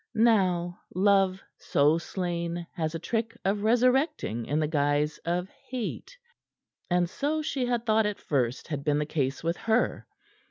Now love so slain has a trick of resurrecting in the guise of hate; and so, she had thought at first had been the case with her.